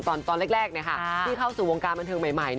ตอนแรกที่เข้าสู่วงการบันเทิงใหม่